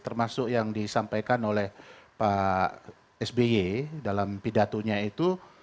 termasuk yang disampaikan oleh pak sby dalam pidatonya itu